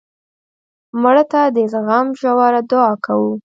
مړه ته د غم ژوره دعا کوو